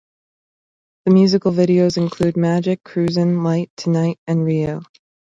The musical videos include "Magic", "Cruisin'", "Light", "Tonight", and "Rio".